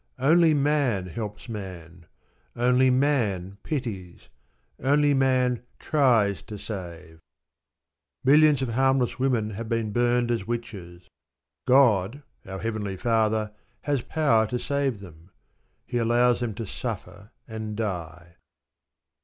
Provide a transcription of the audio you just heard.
Only man helps man. Only man pities; only man tries to save. Millions of harmless women have been burned as witches. God, our Heavenly Father, has power to save them. He allows them to suffer and die.